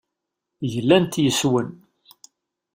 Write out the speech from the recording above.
Glant yes-wen.